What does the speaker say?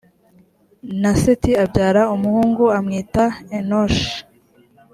na seti abyara umuhungu amwita enoshi